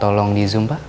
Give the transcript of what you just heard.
tolong di zoom pak